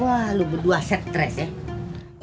wah lu berdua stres ya